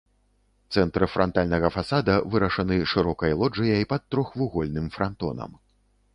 Цэнтр франтальнага фасада вырашаны шырокай лоджыяй пад трохвугольным франтонам.